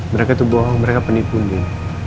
mereka tuh bohong mereka penipu nih